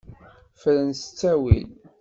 Fren s ttawil.